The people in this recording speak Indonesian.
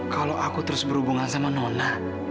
kalau aku terus berhubungan sama nona